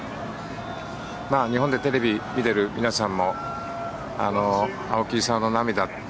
日本でテレビ見てる皆さんも青木功の涙